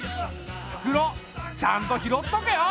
袋ちゃんと拾っとけよ。